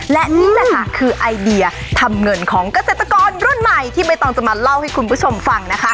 และนี่แหละค่ะคือไอเดียทำเงินของเกษตรกรรุ่นใหม่ที่ใบตองจะมาเล่าให้คุณผู้ชมฟังนะคะ